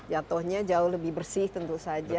jatuhnya jauh lebih bersih tentu saja